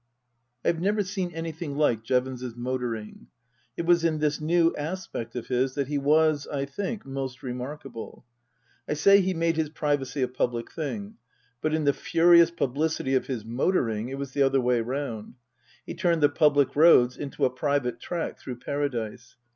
I have never seen anything like Jevons's motoring. It was in this new aspect of his that he was, I think, most remarkable. I say he made his privacy a public thing ; but in the furious publicity of his motoring it was the other way round. He turned the public roads into a private track through paradise.